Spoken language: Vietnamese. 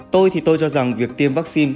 tôi thì tôi cho rằng việc tiêm vaccine